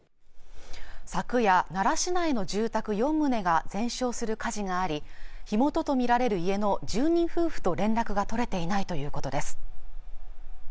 昨夜奈良市内の住宅四棟が全焼する火事があり火元とみられる家の住人夫婦と連絡が取れていないということです